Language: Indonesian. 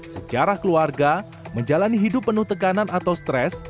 sejarah keluarga menjalani hidup penuh tekanan atau stres